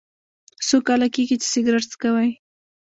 څو کاله کیږي چې سګرټ څکوئ؟